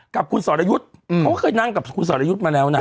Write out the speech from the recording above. กับคุณสรยุทธ์เขาก็เคยนั่งกับคุณสอรยุทธ์มาแล้วนะ